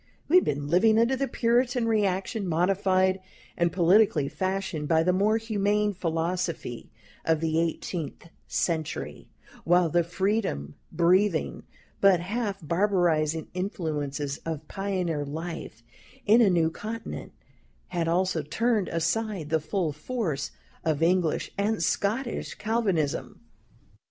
We had been living under the Puritan reaction, modified and politically fashioned by the more humane philosophy of the eighteenth century, while the freedom breathing, but half barbarizing influences of pioneer life in a new continent, had also turned aside the full force of English and Scotch Calvinism.